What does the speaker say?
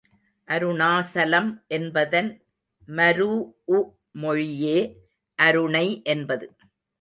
அருணாசலம் என்பதன் மரூஉ மொழியே அருணை என்பது.